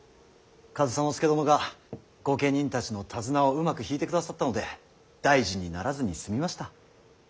上総介殿が御家人たちの手綱をうまく引いてくださったので大事にならずに済みました。